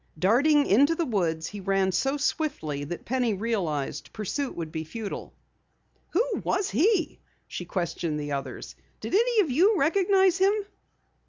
Darting into the woods, he ran so swiftly that Penny realized pursuit would be futile. "Who was he?" she questioned the others. "Did any of you recognize him?"